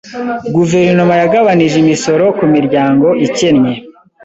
Guverinoma yagabanije imisoro ku miryango ikennye.